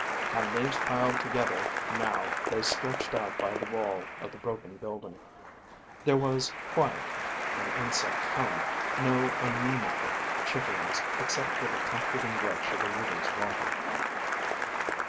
On leaves piled together now they stretched out by the wall of the broken building. There was quiet an insect hum, no un namable chitterings, except for the comforting rush of the river's water.